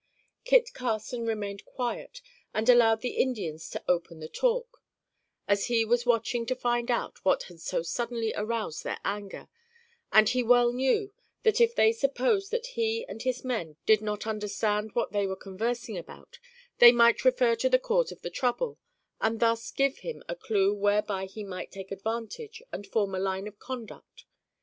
Kit Carson remained quiet and allowed the Indians to open the talk, as he was watching to find out what had so suddenly aroused their anger, and he well knew, that if they supposed that he and his men did not understand what they were conversing about, they might refer to the cause of the trouble, and thus give him a clue whereby he might take advantage and form a line of conduct.